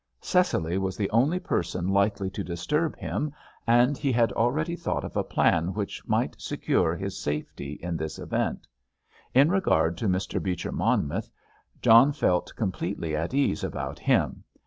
Cecily was the only person likely to disturb him, and he had already thought of a plan which might secure his safety in this event. In regard to Mr. Beecher Monmouth, John felt completely at ease about him.